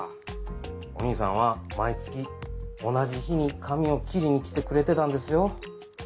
お兄さんは毎月同じ日に髪を切りに来てくれてたんですよ。